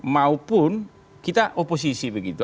maupun kita oposisi begitu